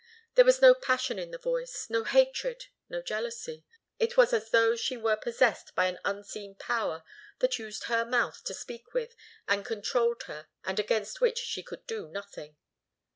There was no passion in the voice, no hatred, no jealousy. It was as though she were possessed by an unseen power that used her mouth to speak with, and controlled her, and against which she could do nothing.